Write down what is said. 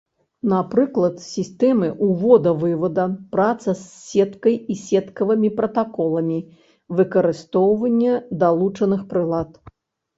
Напрыклад сістэмы ўвода-вывада, праца з сеткай і сеткавымі пратаколамі, выкарыстоўванне далучаных прылад.